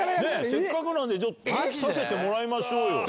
せっかくなんで着させてもらいましょうよ。